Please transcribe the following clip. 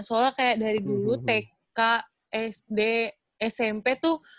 soalnya kayak dari dulu tk sd smp tuh